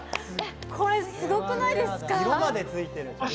これ、すごくないですか？